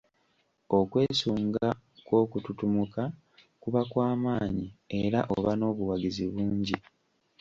Okwesunga kw’okututumuka kuba kwa maanyi era oba n’obuwagizi bungi.